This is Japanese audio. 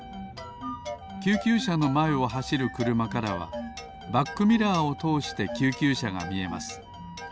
救急車のまえをはしるくるまからはバックミラーをとおして救急車がみえます。